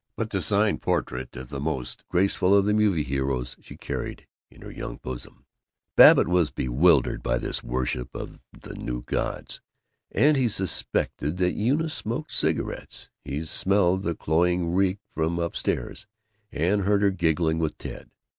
But the signed portrait of the most graceful of the movie heroes she carried in her young bosom. Babbitt was bewildered by this worship of new gods, and he suspected that Eunice smoked cigarettes. He smelled the cloying reek from up stairs, and heard her giggling with Ted.